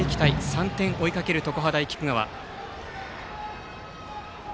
３点を追いかける常葉大菊川。